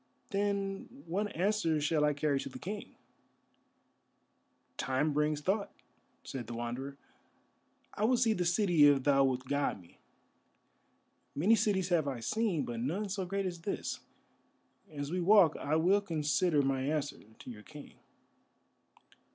"Then, what answer shall I carry to the King?" "Time brings thought," said the Wanderer; "I would see the city if thou wilt guide me. Many cities have I seen, but none so great as this. As we walk I will consider my answer to your King."